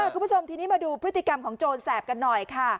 คุณผู้ชมทีนี้มาดูพฤติกรรมของโจรแสบกันหน่อยค่ะ